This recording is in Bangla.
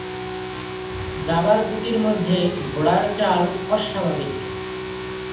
দাবার গুটির মধ্যে ঘোড়ার চাল অস্বাভাবিক।